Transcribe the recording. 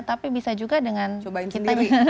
tapi bisa juga dengan kita